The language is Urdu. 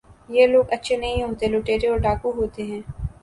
یہ لوگ اچھے نہیں ہوتے ، لٹیرے اور ڈاکو ہوتے ہیں ۔